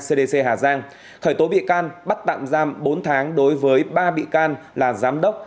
cdc hà giang khởi tố bị can bắt tạm giam bốn tháng đối với ba bị can là giám đốc